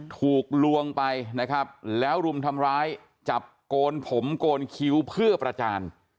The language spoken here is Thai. ถูกลวงไปนะครับแล้วรุมทำร้ายจับโกนผมโกนคิ้วเพื่อประจาน